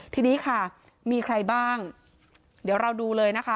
ทีนี้ค่ะมีใครบ้างเดี๋ยวเราดูเลยนะคะ